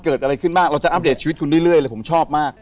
เกิดอะไรขึ้นบ้างเราจะอัปเดตชีวิตคุณเรื่อยเลยผมชอบมาก